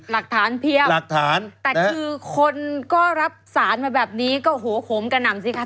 หลักฐานเพียบหลักฐานแต่คือคนก็รับสารมาแบบนี้ก็โหมกระหน่ำสิคะ